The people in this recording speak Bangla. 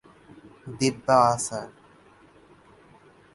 দিব্যা, স্যার।